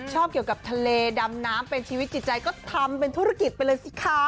ชอบเกี่ยวกับทะเลดำน้ำเป็นชีวิตจิตใจก็ทำเป็นธุรกิจไปเลยสิคะ